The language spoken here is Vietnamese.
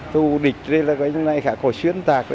thủ địch thì khá khó xuyên tạc